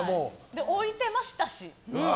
で、置いてましたし。